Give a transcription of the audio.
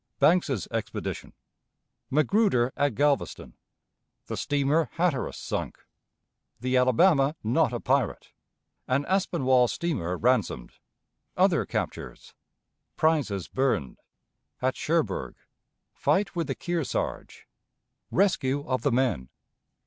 Banks's Expedition. Magruder at Galveston. The Steamer Hattaras Sunk. The Alabama not a Pirate. An Aspinwall Steamer ransomed. Other Captures. Prizes burned. At Cherbourg. Fight with the Kearsarge. Rescue of the Men.